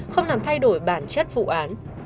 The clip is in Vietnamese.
không làm thay đổi bản chất vụ án